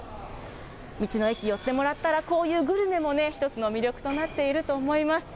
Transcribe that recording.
道の駅、寄ってもらったらこういうグルメも、一つの魅力となっていると思います。